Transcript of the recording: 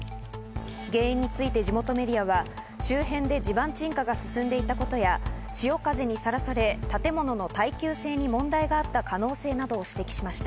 原因について地元メディアは周辺で地盤沈下が進んでいたことや、潮風にさらされ、建物の耐久性に問題があった可能性などを指摘しました。